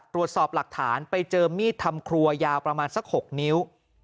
ตรวจสอบหลักฐานไปเจอมีดทำครัวยาวประมาณสัก๖นิ้ว